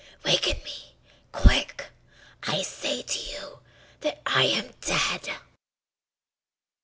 —waken me!—quick!—I say to you that I am dead!"